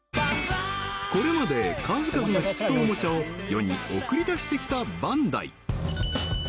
これまで数々のヒットおもちゃを世に送り出してきたバンダイ